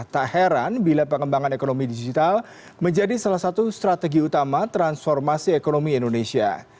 tak heran bila pengembangan ekonomi digital menjadi salah satu strategi utama transformasi ekonomi indonesia